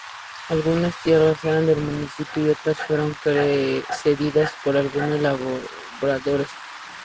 Algunas tierras eran del municipio y otras fueron cedidas por algunos labradores.